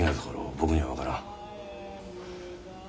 僕には分からん。